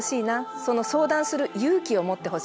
その相談する勇気を持ってほしい。